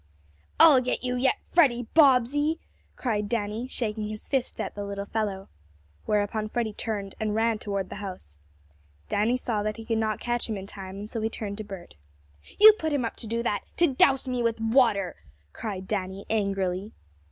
"I'll get you yet, Freddie Bobbsey!" cried Danny, shaking his fist at the little fellow. Whereupon Freddie turned and ran toward the house. Danny saw that he could not catch him in time, and so he turned to Bert. "You put him up to do that to douse me with water!" cried Danny angrily.